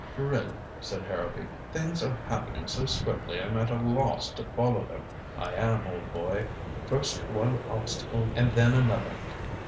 "Really," said Harrowby, "things are happening so swiftly I'm at a loss to follow them. I am, old boy. First one obstacle and then another.